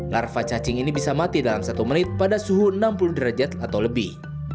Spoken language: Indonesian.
larva cacing ini bisa mati dalam satu menit pada suhu enam puluh derajat atau lebih